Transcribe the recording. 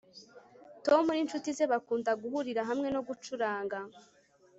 Tom ninshuti ze bakunda guhurira hamwe no gucuranga